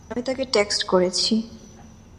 আমি তাকে টেক্সট করেছি।